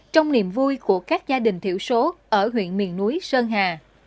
trong niềm vui của các gia đình thiểu số ở huyện miền núi sơn hà